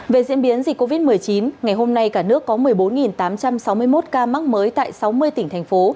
về diễn biến dịch covid một mươi chín ngày hôm nay cả nước có một mươi bốn tám trăm sáu mươi một ca mắc mới tại sáu mươi tỉnh thành phố